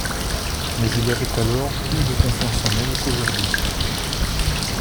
Mais il avait alors plus de confiance en elle qu’aujourd’hui.